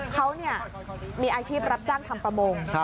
เขามีอาชีพรับจ้างทำประมง